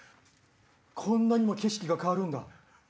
こんなにも景色が変わるんだ。